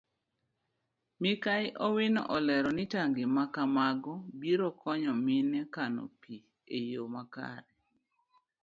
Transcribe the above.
Mikai owino olero ni tangi makamago biro konyo mine kano pii eyo makare.